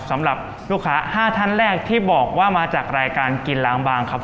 สำหรับลูกค้า๕ท่านแรกที่บอกว่ามาจากรายการกินล้างบางครับ